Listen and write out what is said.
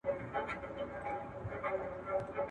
لښتې په خپل ځان کې د بدلون هیله لرله.